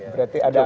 berarti ada angka